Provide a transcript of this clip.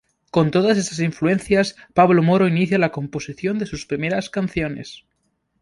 Con todas esas influencias, Pablo Moro inicia la composición de sus primeras canciones.